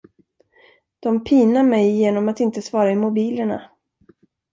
De pinar mig genom att inte svara i mobilerna.